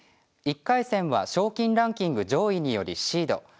１回戦は賞金ランキング上位によりシード。